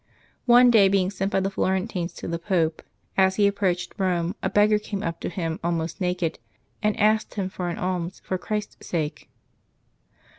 One day, being sent by the Florentines to the Pope, as he approached Rome a beggar came up to him almost naked, and asked him for an alms for Christ's sake.